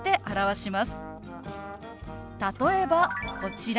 例えばこちら。